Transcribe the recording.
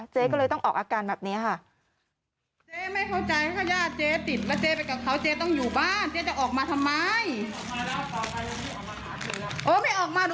เจ๊ก็เลยต้องออกอาการแบบนี้ค่ะ